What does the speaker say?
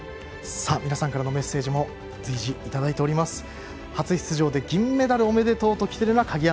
皆さんからのメッセージも随時いただいております。